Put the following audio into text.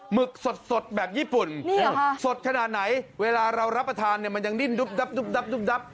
หึกสดแบบญี่ปุ่นสดขนาดไหนเวลาเรารับประทานเนี่ยมันยังดิ้นดับ